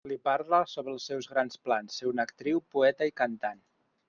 Li parla sobre els seus grans plans: ser una actriu, poeta i cantant.